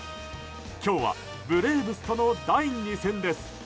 今日はブレーブスとの第２戦です。